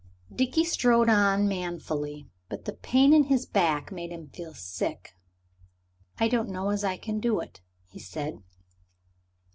Dickie strode on manfully, but the pain in his back made him feel sick. "I don't know as I can do it," he said.